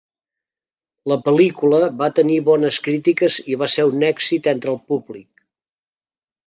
La pel·lícula va tenir bones crítiques i va ser un èxit entre el públic.